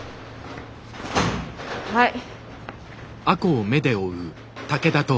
はい。